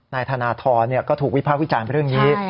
นายธนทรก็ถูกวิภาควิจารณ์เรื่องนี้